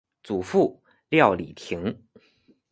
祖父廖礼庭。